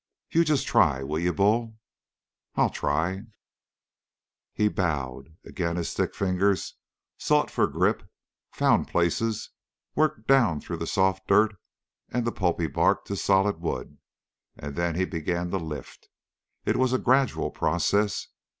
"You just try, will you, Bull?" "I'll try!" He bowed. Again his thick fingers sought for a grip, found places, worked down through the soft dirt and the pulpy bark to solid wood, and then he began to lift. It was a gradual process.